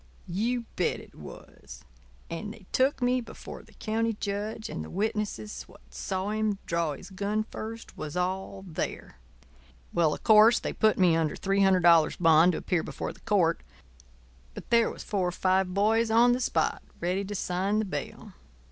"You bet it was. And they took me before the county judge; and the witnesses what saw him draw his gun first was all there. Well, of course, they put me under $300 bond to appear before the court, but there was four or five boys on the spot ready to sign the bail.